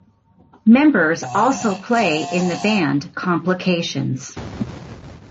Members also play in the band Complications.